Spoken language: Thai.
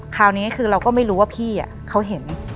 คราวนี้คือเราก็ไม่รู้ว่าพี่เขาเห็น